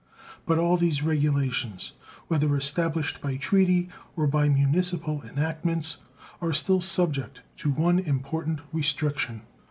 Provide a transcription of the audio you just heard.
But all these regulations, whether established by treaty or by municipal enactments, are still subject to one important restriction.